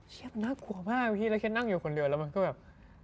เชียบน่ากลัวมากแล้วเคนนั่งอยู่คนเดียวแล้วมันก็แบบ